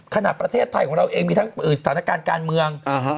ประเทศไทยของเราเองมีทั้งสถานการณ์การเมือง